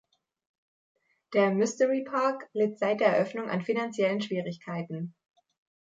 Der Mystery Park litt seit der Eröffnung an finanziellen Schwierigkeiten.